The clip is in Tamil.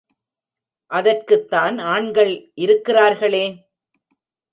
அதற்குத்தான் ஆண்கள் இருக்கிறார்களே?